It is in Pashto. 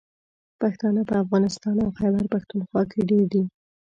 پښتانه په افغانستان او خیبر پښتونخوا کې ډېر دي.